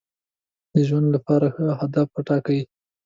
د ژوند لپاره ښه اهداف وټاکئ.